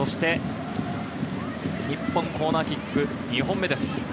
日本のコーナーキック２本目です。